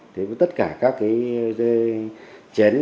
thế với tất cả các cái chén